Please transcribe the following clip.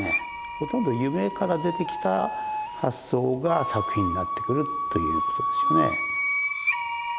ほとんど夢から出てきた発想が作品になってくるということですよね。